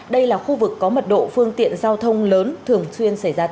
đây là khu vực có mật độ phương tiện giao thông lớn thường xuyên xảy ra tai nạn giao thông